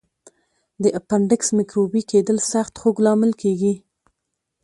د اپنډکس میکروبي کېدل سخت خوږ لامل کېږي.